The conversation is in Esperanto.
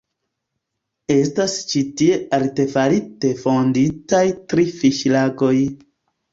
Estas ĉi tie artefarite fonditaj tri fiŝlagoj.